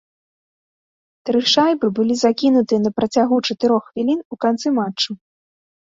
Тры шайбы былі закінутыя на працягу чатырох хвілін у канцы матчу.